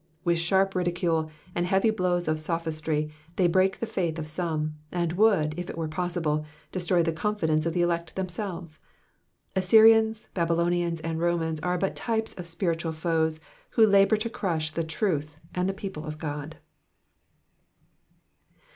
With sharp ridicule, and heavy blows of sophistry, they orcak the faith of some : and would, if it were possible, destroy the confidence of the elect themselves. Assyrians, Babylonians, and Romans are but types of spiritual foes who labour to crush the truth and the people of God.